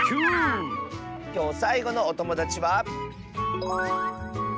きょうさいごのおともだちは。